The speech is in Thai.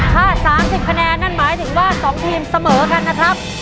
ถ้า๓๐คะแนนนั่นหมายถึงว่า๒ทีมเสมอกันนะครับ